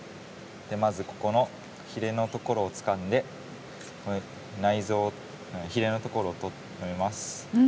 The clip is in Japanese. まず、ここのヒレのところをつかんで内臓、ヒレのところをとります。